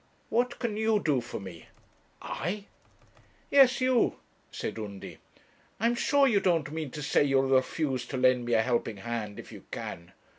What can you do for me?' 'I?' 'Yes, you,' said Undy; 'I am sure you don't mean to say you'll refuse to lend me a helping hand if you can.